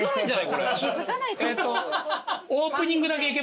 これ。